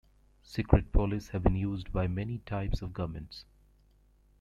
Secret police have been used by many types of governments.